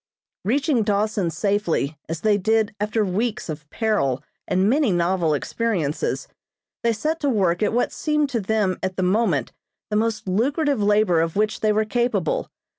Reaching Dawson safely, as they did after weeks of peril and many novel experiences, they set to work at what seemed to them at the moment the most lucrative labor of which they were capable.